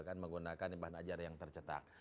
akan menggunakan bahan ajar yang tercetak